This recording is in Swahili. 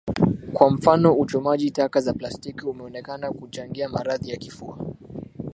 Kwa mfano uchomaji taka za plastiki umeonekana kuchangia maradhi ya kifua